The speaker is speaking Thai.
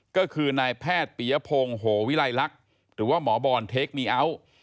ก็คือนายแพทย์ปียพงศ์โหวิลัยลักษณ์หรือว่าหมอบอลเทคมีอัล